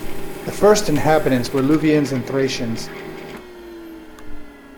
The first inhabitants were Luvians and Thracians.